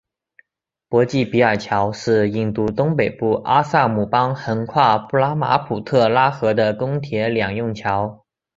博济比尔桥是印度东北部阿萨姆邦横跨布拉马普特拉河的公铁两用桥。